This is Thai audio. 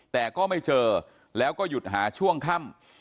แต่ก็ไม่เจอแล้วก็หยุดหาช่วงค่ำ